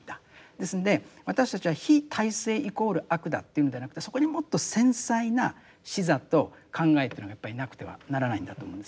ですんで私たちは非体制イコール悪だというのではなくてそこにもっと繊細な視座と考えというのがやっぱりなくてはならないんだと思うんですね。